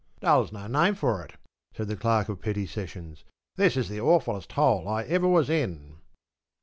p> ‘Dull's no name for it,’ said the Clerk of Petty Sessions; ‘this is the awfullest hole I ever was in.